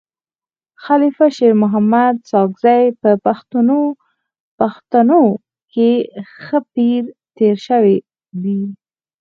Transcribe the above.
خلیفه شیرمحمد ساکزی په پښتنو کي ښه پير تير سوی دی.